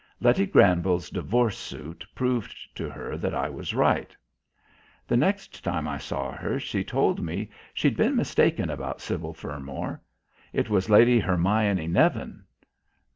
Letty Granville's divorce suit proved to her that I was right. The next time I saw her she told me she'd been mistaken about Sybil Fermor. It was Lady Hermione Nevin.